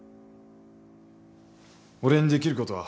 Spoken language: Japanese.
俺にできることは？